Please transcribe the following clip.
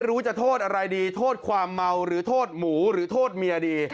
รู้จะโทษอะไรดีโทษความเมาหรือโทษหมูหรือโทษเมียดี